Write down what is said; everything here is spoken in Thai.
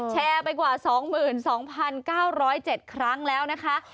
แชร์ไปกว่า๒๒๙๐๗ครั้งแล้วนะคะ